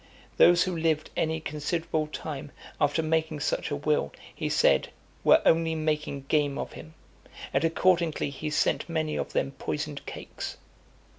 Those who lived any considerable time after making such a will, he said, were only making game of him; and accordingly he sent many of them poisoned cakes.